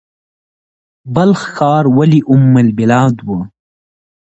بلخ ښار ولې ام البلاد و؟